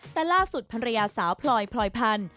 แต่ล่าสุดภรรยาสาวพลอยพลอยพันธุ์